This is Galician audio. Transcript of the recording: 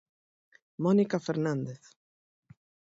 Mónica Fernández...